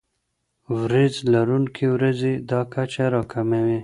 وریځ لرونکي ورځې دا کچه راکموي.